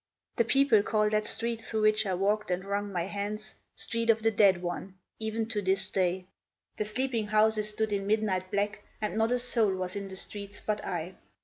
The people call That street through which I walked and wrung my hands "Street of the Dead One," even to this day. The sleeping houses stood in midnight black, And not a soul was in the streets but I.